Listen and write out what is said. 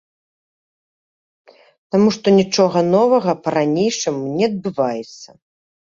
Таму што нічога новага па-ранейшаму не адбываецца.